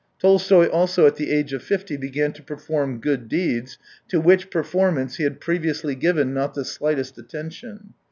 Tolstoy also at the age of fifty began to per form good deeds, to which performance he had previously given not the slightest atten tion.